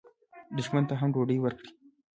دښمن ته هم ډوډۍ ورکړئ